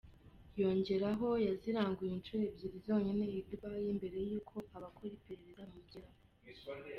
Yongeraho yaziranguye inshuro ebyiri zonyine i Dubai mbere y’uko abakora iperereza bamugeraho.